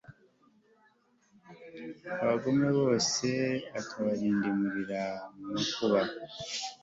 abagome bose akabarindimurira mu makuba